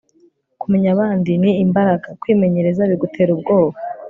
kumenya abandi ni imbaraga. kwimenyereza bigutera ubwoba